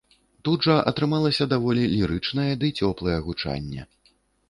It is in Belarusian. Тут жа атрымалася даволі лірычнае ды цёплае гучанне.